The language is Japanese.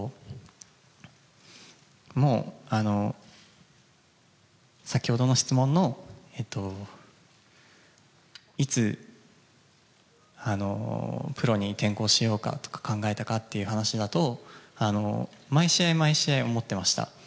もう先ほどの質問のいつプロに転向しようかとか考えたかっていう話だと、毎試合毎試合思ってました。